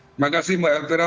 terima kasih mbak elvira